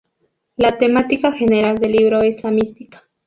La temática general del libro es la mística.